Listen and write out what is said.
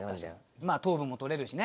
まあ糖分も取れるしね。